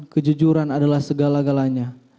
kejujuran adalah segala galanya